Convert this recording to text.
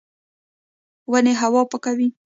ونې هوا پاکوي